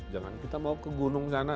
jangan kita bawa ke gunung sana